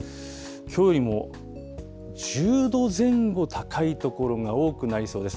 きょうよりも１０度前後高い所が多くなりそうです。